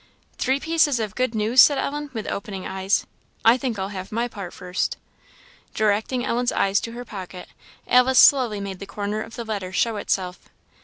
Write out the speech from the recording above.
"Three pieces of good news!" said Ellen, with opening eyes; "I think I'll have my part first." Directing Ellen's eyes to her pocket, Alice slowly made the corner of the letter show itself.